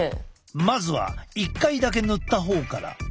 まずは１回だけ塗った方から。